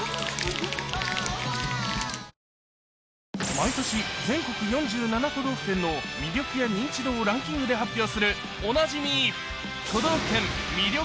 毎年全国４７都道府県の魅力や認知度をランキングで発表するおなじみ